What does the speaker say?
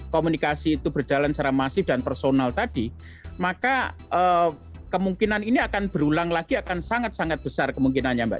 komunikasi itu berjalan secara masif dan personal tadi maka kemungkinan ini akan berulang lagi akan sangat sangat besar kemungkinannya mbak